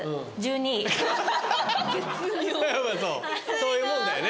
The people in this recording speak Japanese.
そういうもんだよね。